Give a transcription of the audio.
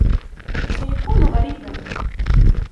سيكون غريبًا.